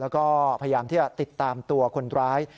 แล้วก็พยายามที่จะติดตามตัวคนร้าย